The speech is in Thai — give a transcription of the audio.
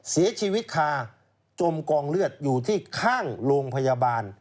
เสียชีวิตคาจมกองเลือดอยู่ที่ข้างโรงพยาบาล